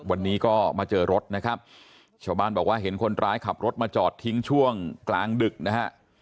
วันนี้ก็มาเจอรถนะครับชาวบ้านบอกว่าเห็นคนร้ายขับรถมาจอดทิ้งช่วงกลางดึกนะฮะ